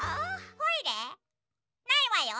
ないわよ。